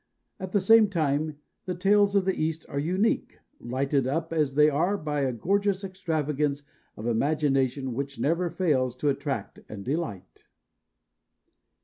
At the same time, the Tales of the East are unique, lighted up as they are by a gorgeous extravagance of imagination which never fails to attract and delight.